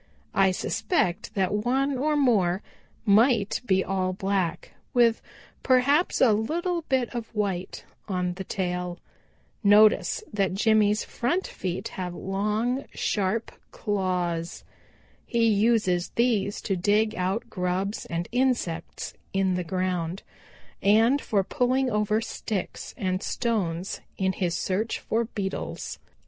I suspect that one or more might be all black, with perhaps a little bit of white on the tail. Notice that Jimmy's front feet have long, sharp claws. He uses these to dig out grubs and insects in the ground, and for pulling over sticks and stones in his search for beetles.